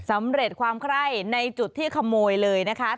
สำเร็จความไคร้ในจุดที่ขโมยเลยนะคะ